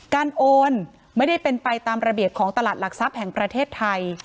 โอนไม่ได้เป็นไปตามระเบียบของตลาดหลักทรัพย์แห่งประเทศไทย